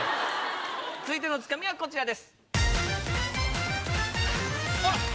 続いてのツカミはこちらです。